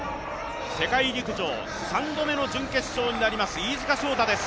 世界陸上、３度目の準決勝になります飯塚翔太です。